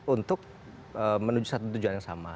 untuk menuju satu tujuan yang sama